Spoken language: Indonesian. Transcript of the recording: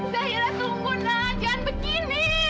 zaira tunggu nak jangan begini